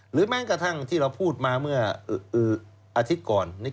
หรือแม้กระทั่งที่เราพูดมาเมื่ออาทิตย์ก่อนนะครับ